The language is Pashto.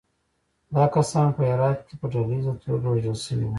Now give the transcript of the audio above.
دا کسان په هرات کې په ډلییزه توګه وژل شوي وو.